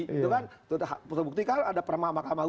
itu kan itu bukti kan ada perma makamah